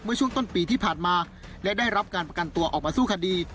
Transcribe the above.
ช่วงต้นปีที่ผ่านมาและได้รับการประกันตัวออกมาสู้คดี